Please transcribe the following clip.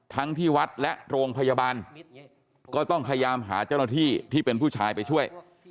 ที่วัดและโรงพยาบาลก็ต้องพยายามหาเจ้าหน้าที่ที่เป็นผู้ชายไปช่วย